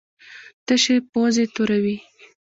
تشې پوزې توروي.